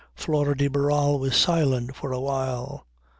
Flora de Barral was silent for a while.